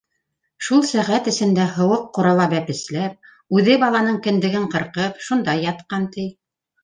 Шул сәғәт эсендә һыуыҡ ҡурала бәпесләп, үҙе баланың кендеген ҡырҡып, шунда ятҡан, ти.